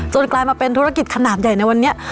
กลายมาเป็นธุรกิจขนาดใหญ่ในวันนี้